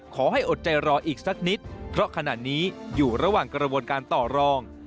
อดใจรออีกสักนิดเพราะขณะนี้อยู่ระหว่างกระบวนการต่อรอง